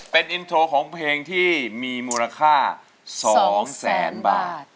เป็นอินโทรของเพลงที่มีมูลค่า๒แสนบาท